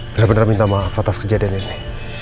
benar benar minta maaf atas kejadian ini